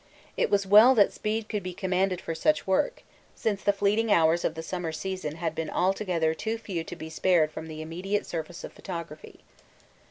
It was well that speed could be commanded for such work, since the fleeting hours of the summer season had been altogether too few to be spared from the immediate service of photography.